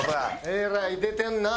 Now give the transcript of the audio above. えらい出てんなあ。